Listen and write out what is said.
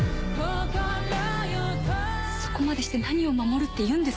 「そこまでして何を守るっていうんです？」